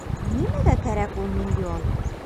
Нимәгә кәрәк ул миллион?!